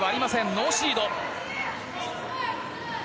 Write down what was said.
ノーシード。